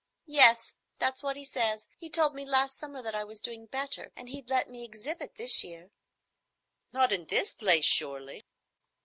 "Yes, that's what he says. He told me last summer that I was doing better and he'd let me exhibit this year." "Not in this place, surely?"